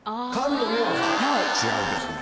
違うんですね。